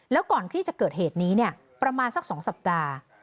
แล้วก่อนที่จะเกิดเหตุนี้เนี่ยประมาณสัก๒สัปดาห์